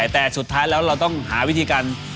แต่สุดท้ายแล้วเราต้องหาวิธีการ